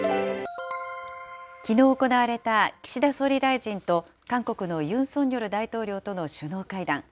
きのう行われた岸田総理大臣と韓国のユン・ソンニョル大統領との首脳会談。